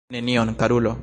Nenion, karulo.